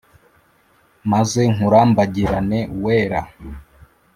maze nkurambagirane wera